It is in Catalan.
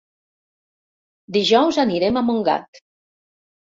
Dijous anirem a Montgat.